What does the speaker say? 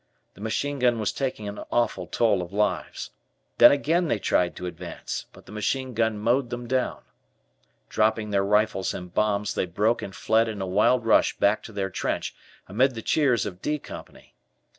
The machine gun was taking an awful toll of lives. Then again they tried to advance, but the machine gun mowed them down. Dropping their rifles and bombs, they broke and fled in a wild rush back to their trench, amid the cheers of "D" Company.